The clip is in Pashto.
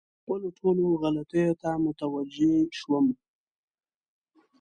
خپلو ټولو غلطیو ته متوجه شوم.